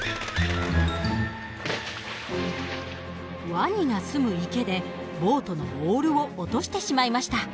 ワニが住む池でボートのオールを落としてしまいました。